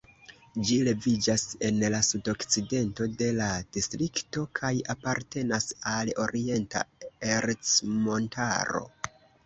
Ĝi leviĝas en la sudokcidento de la distrikto kaj apartenas al Orienta Ercmontaro.